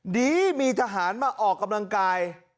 ดีมีทหารมาออกกำลังกาย